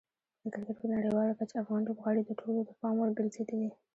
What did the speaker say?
د کرکټ په نړیواله کچه افغان لوبغاړي د ټولو د پام وړ ګرځېدلي.